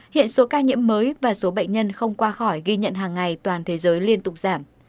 hiện số ca nhiễm mới và số bệnh nhân không qua khỏi ghi nhận hàng ngày toàn thế giới liên tục giảm